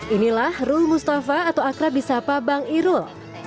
inilah rul mustafa atau akrabisapa bang irul